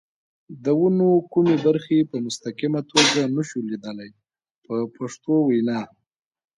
د ونو کومې برخې په مستقیمه توګه نشو لیدلای په پښتو وینا.